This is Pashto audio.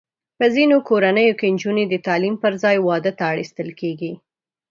په ځینو کورنیو کې نجونې د تعلیم پر ځای واده ته اړ ایستل کېږي.